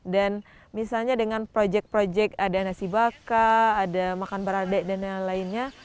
dan misalnya dengan proyek proyek ada nasi bakar ada makan berade dan lain lainnya